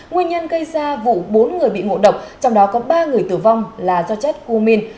nguyên nhân gây ra vụ bốn người bị ngụ độc trong đó có ba người tử vong là do chất cumin